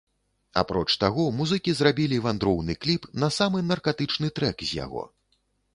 Апроч таго музыкі зрабілі вандроўны кліп на самы наркатычны трэк з яго.